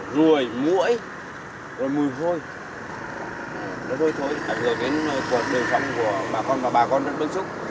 cảnh giới đến cuộc đời sống của bà con và bà con rất bất xúc